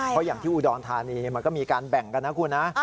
เพราะอย่างที่อุดรธานีมันก็มีการแบ่งกันนะคุณนะ